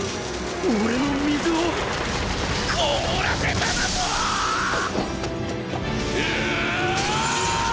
俺の水を凍らせただと⁉うおぉ！